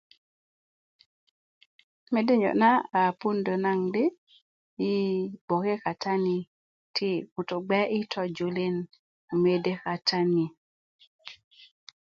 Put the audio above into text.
mede niyo na a puundö naŋ di yi bgoke katani ti ŋutu bge i tojulin mede kata ni